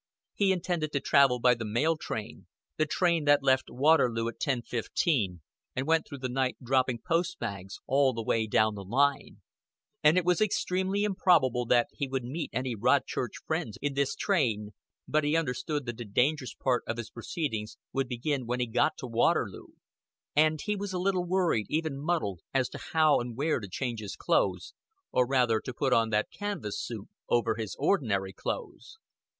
He intended to travel by the mail train the train that left Waterloo at ten fifteen, and went through the night dropping post bags all the way down the line; and it was extremely improbable that he would meet any Rodchurch friends in this train, but he understood that the dangerous part of his proceedings would begin when he got to Waterloo, and he was a little worried, even muddled, as to how and where to change his clothes or rather to put on that canvas suit over his ordinary clothes.